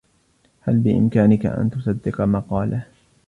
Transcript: هل بإمكانك أن تصدق ما قاله ؟